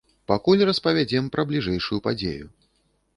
Пакуль распавядзем пра бліжэйшую падзею.